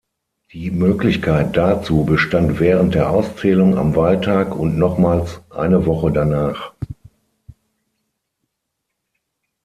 Die Möglichkeit dazu bestand während der Auszählung am Wahltag und nochmals eine Woche danach.